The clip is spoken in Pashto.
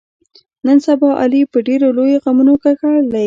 نن سبا علي په ډېرو لویو غمونو ککړ دی.